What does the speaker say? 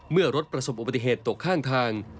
เมื่อรถประสบอุบัติเหตุตกข้างทาง